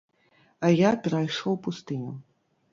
А я перайшоў пустыню.